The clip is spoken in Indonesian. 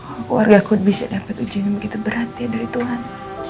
kok keluarga ku bisa dapat ujian yang begitu berat ya dari tuhan